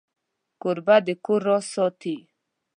کوربه د کور راز ساتي.